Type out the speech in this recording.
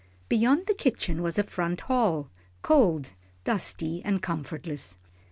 Beyond the kitchen was a front hall, cold, dusty, and comfortless.